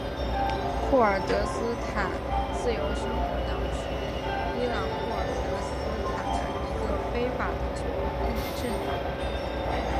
库尔德斯坦自由生活党是伊朗库尔德斯坦的一个非法的左翼政党。